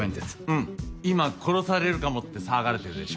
うん今殺されるかもって騒がれてるでしょ。